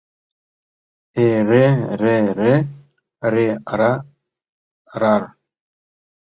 Э-ре-ре-ре, ре-ра-рар.